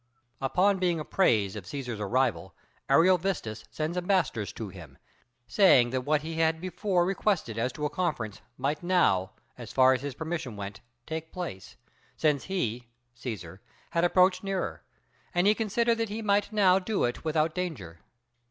Upon being apprised of Cæsar's arrival, Ariovistus sends ambassadors to him, saying that what he had before requested as to a conference might now, as far as his permission went, take place, since he [Cæsar] had approached nearer; and he considered that he might now do it without danger.